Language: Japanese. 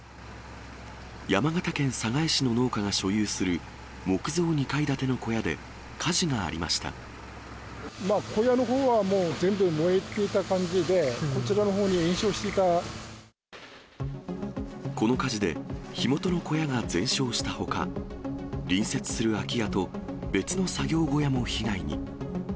山形県寒河江市の農家が所有する木造２階建ての小屋で、火事があ小屋のほうはもう全部燃えてた感じで、この火事で、火元の小屋が全焼したほか、隣接する空き家と、別の作業小屋も被害に。